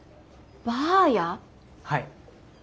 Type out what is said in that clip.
はい。